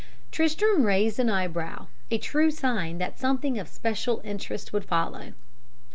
Tristram raised an eyebrow, a true sign that something of special interest would follow.